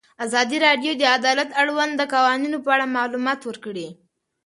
ازادي راډیو د عدالت د اړونده قوانینو په اړه معلومات ورکړي.